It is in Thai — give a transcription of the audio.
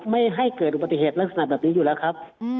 ไม่ให้เกิดอุบัติเหตุลักษณะแบบนี้อยู่แล้วครับ